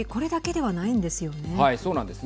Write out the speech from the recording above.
はい、そうなんですね。